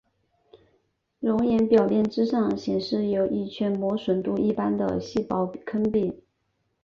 熔岩表面之上显示有一圈磨损度一般的细薄坑壁。